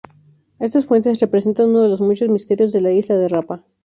Estas fuentes representan uno de los muchos misterios de la Isla de Rapa.